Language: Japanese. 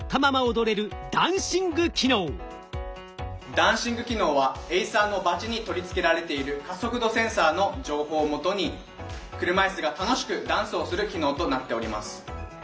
ダンシング機能はエイサーのバチに取り付けられている加速度センサーの情報をもとに車いすが楽しくダンスをする機能となっております。